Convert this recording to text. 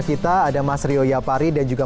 kita ada mas rio yapari dan juga